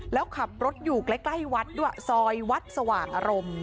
แล้วขับรถอยู่ใกล้วัดด้วยซอยวัดสว่างอารมณ์